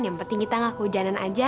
yang penting kita gak kehujanan aja